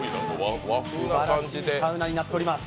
すばらしいサウナになっております。